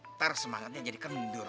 ntar semangatnya jadi kendur